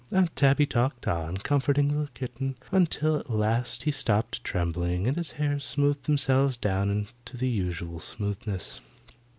Aunt Tabby talked on, comforting the kitten until at last he stopped trembling and his hairs smoothed themselves down into the usual smoothness.